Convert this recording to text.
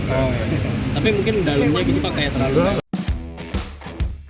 oh tapi mungkin dalemnya gitu pak kayak terlalu bagus